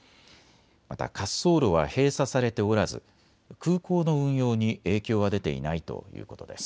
また滑走路は閉鎖されておらず空港の運用に影響は出ていないということです。